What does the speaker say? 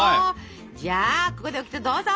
じゃあここでオキテどうぞ！